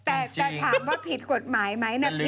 แต่จะถามว่าผิดกฎหมายไหมนะพี่